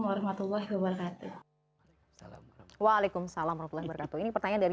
warahmatullah wabarakatuh waalaikumsalam warahmatullah wabarakatuh ini pertanyaan dari